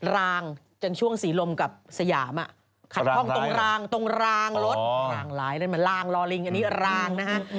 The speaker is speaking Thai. ลางหลายแล้วมันลางลอลิงอันนี้ลางนะฮะ